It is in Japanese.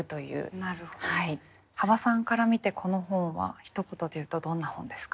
幅さんから見てこの本はひと言で言うとどんな本ですか？